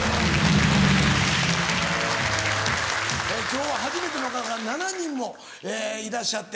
今日は初めての方が７人もいらっしゃって。